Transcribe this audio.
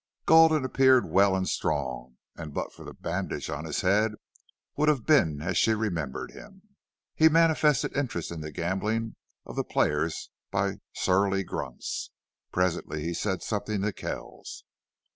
Gulden appeared well and strong, and but for the bandage on his head would have been as she remembered him. He manifested interest in the gambling of the players by surly grunts. Presently he said something to Kells.